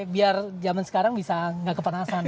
biar zaman sekarang bisa gak kepala kepalanya gitu ya